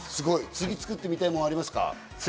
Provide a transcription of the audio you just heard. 次、作ってみたいものはありますか？